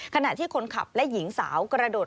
ขณะที่คนขับและหญิงสาวกระโดด